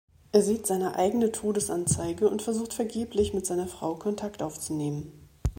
Er sieht seine eigene Todesanzeige und versucht vergeblich, mit seiner Frau Kontakt aufzunehmen.